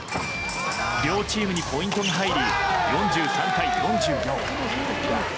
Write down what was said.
両チームにポイントが入り４３対４４。